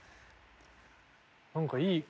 何かいい。